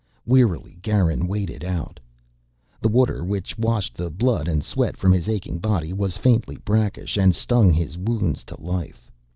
Wearily Garin waded out. The water, which washed the blood and sweat from his aching body, was faintly brackish and stung his wounds to life.